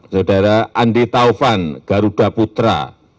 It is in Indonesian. saudara andi taufan garuda putra